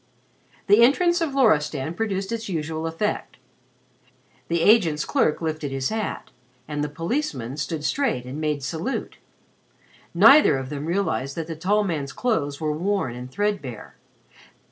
The entrance of Loristan produced its usual effect. The agent's clerk lifted his hat, and the policeman stood straight and made salute. Neither of them realized that the tall man's clothes were worn and threadbare.